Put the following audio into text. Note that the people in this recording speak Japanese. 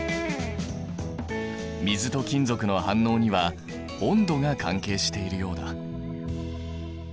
水と金属の反応には温度が関係しているようだ。